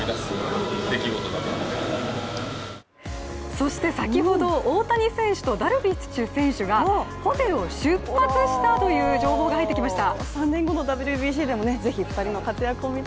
そして先ほど、大谷選手とダルビッシュ選手がホテルを出発したという情報が入ってきました